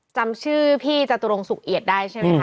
จำชื่อพี่จตุรงสุกเอียดได้ใช่ไหมคะ